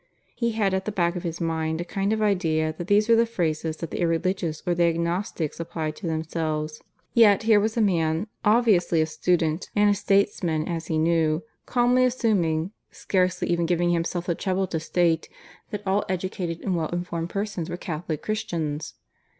He had at the back of his mind a kind of idea that these were the phrases that the irreligious or the agnostics applied to themselves; yet here was a man, obviously a student, and a statesman as he knew, calmly assuming (scarcely even giving himself the trouble to state) that all educated and well informed persons were Catholic Christians!